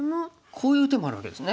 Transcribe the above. こういう手もあるわけですね。